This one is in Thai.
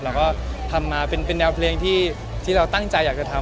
เราก็ทำมาเป็นแนวเพลงที่เราตั้งใจอยากจะทำ